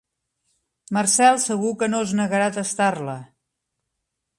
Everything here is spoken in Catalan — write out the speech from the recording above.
Marcel segur que no es negarà a tastar-la.